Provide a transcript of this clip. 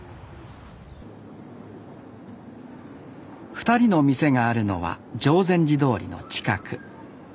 ２人の店があるのは定禅寺通の近く。